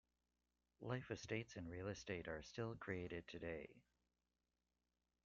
Life estates in real estate are still created today.